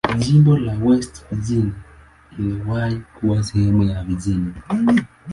Jimbo la West Virginia iliwahi kuwa sehemu ya Virginia.